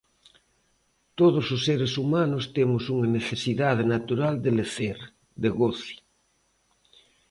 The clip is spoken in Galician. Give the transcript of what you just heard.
Todos os seres humanos temos unha necesidade natural de lecer, de goze.